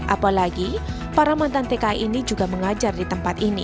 apalagi para mantan tki ini juga mengajar di tempat ini